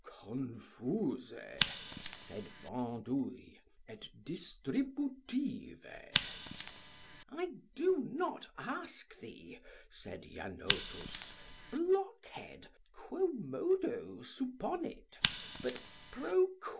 Confuse, said Bandouille, et distributive. I do not ask thee, said Janotus, blockhead, quomodo supponit, but pro quo?